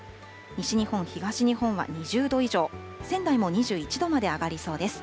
西日本、東日本は２０度以上、仙台も２１度まで上がりそうです。